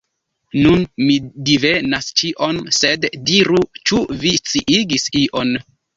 Nun mi divenas ĉion, sed diru, ĉu vi sciigis ion!